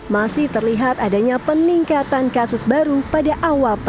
masih terlihat adanya peningkatan kasus baru pada awal